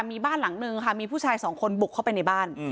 มีบ้านหลังนึงค่ะมีผู้ชายสองคนบุกเข้าไปในบ้าน